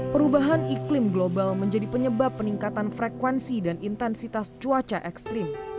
perubahan iklim global menjadi penyebab peningkatan frekuensi dan intensitas cuaca ekstrim